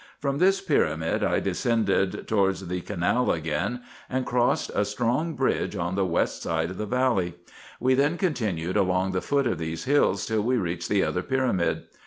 From this pyramid I descended towards the canal again, and crossed a strong bridge on the west side of the valley. We then continued along the foot of these hills, till we reached the other pyramid.